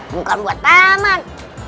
bukan buat paman